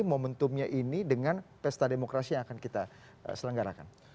momentumnya ini dengan pesta demokrasi yang akan kita selenggarakan